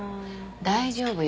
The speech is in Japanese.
大丈夫よ。